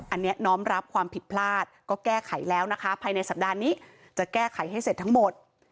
อันนี้น้อมรับความผิดพลาดก็แก้ไขแล้วนะคะภายในสัปดาห์นี้จะแก้ไขให้เสร็จทั้งหมด